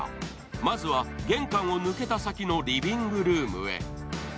まずは玄関を抜けた先のリビングルームへ。